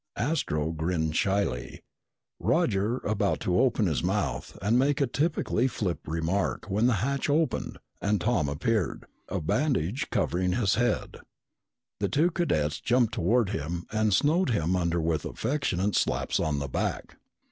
Astro grinned shyly. Roger was about to open his mouth and make a typically flip remark when the hatch opened and Tom appeared, a bandage covering his head. The two cadets jumped toward him and snowed him under with affectionate slaps on the back.